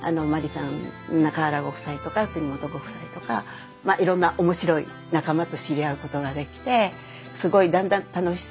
中原ご夫妻とか國本ご夫妻とかいろんなおもしろい仲間と知り合うことができてすごいだんだん楽しさを。